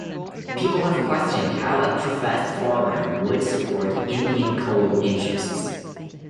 People have questioned how a professed farmer would support Indian coal interests.